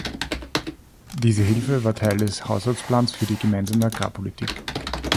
Diese Hilfe war Teil des Haushaltsplans für die Gemeinsame Agrarpolitik.